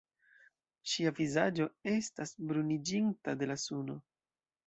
Ŝia vizaĝo estas bruniĝinta de la suno.